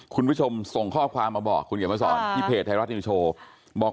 คุณผู้ชมส่งข้อความมาบอกคุณเขียนมาสอนที่เพจไทยรัฐนิวโชว์บอก